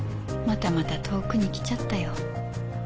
またまた遠くに来ちゃったよ